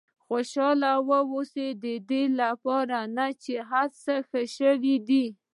خوشاله واوسئ ددې لپاره نه چې هر څه ښه دي.